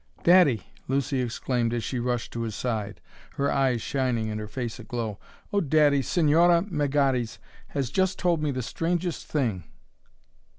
"Daddy!" Lucy exclaimed as she rushed to his side, her eyes shining and her face aglow. "Oh, daddy, Señora Melgares has just told me the strangest thing!